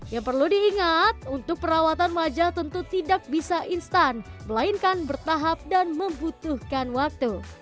yang perlu diingat untuk perawatan wajah tentu tidak bisa instan melainkan bertahap dan membutuhkan waktu